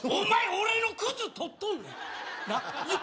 俺の靴取っとんねんなっ